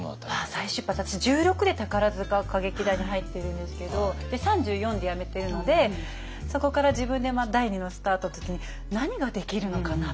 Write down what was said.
再出発私１６で宝塚歌劇団に入っているんですけど３４で辞めてるのでそこから自分で第２のスタートって時に何ができるのかな？